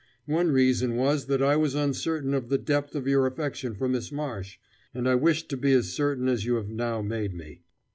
One reason was that I was uncertain of the depth of your affection for Miss Marsh, and I wished to be as certain as you have now made me."